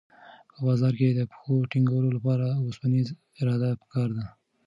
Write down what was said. په بازار کې د پښو ټینګولو لپاره اوسپنیزه اراده پکار ده.